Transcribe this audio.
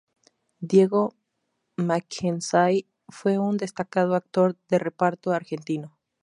Diego Mackenzie fue un destacado actor de reparto argentino.